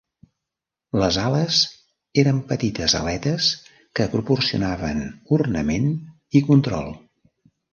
Les "ales" eren petites aletes que proporcionaven ornament i control.